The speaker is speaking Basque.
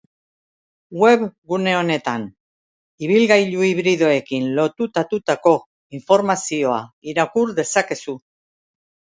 Webgune honetan ibilgailu hibridoekin lotutatutako informazioa irakur dezakezu.